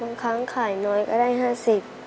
บางครั้งขายน้อยก็ได้๕๐บาท